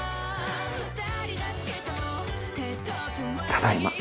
ただいま。